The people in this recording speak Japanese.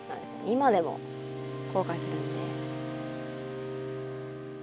今でも後悔するので。